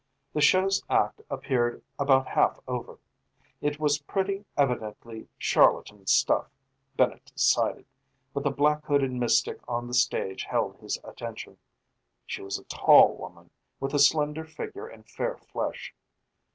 The show's act appeared about half over. It was pretty evidently charlatan stuff, Bennett decided, but the black hooded mystic on the stage held his attention. She was a tall woman, with a slender figure and fair flesh.